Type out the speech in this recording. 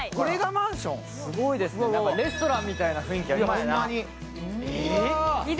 すごいですね、レストランみたいな雰囲気ありますね。